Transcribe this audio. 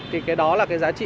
thì cái đó là cái giá trị